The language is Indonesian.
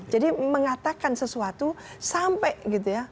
jadi mengatakan sesuatu sampai gitu ya